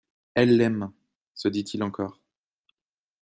Elle l'aime ! se dit-il encore.